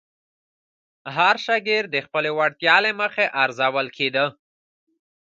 هر شاګرد د خپلې وړتیا له مخې ارزول کېده.